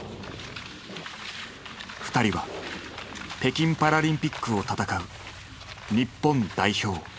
２人は北京パラリンピックを戦う日本代表。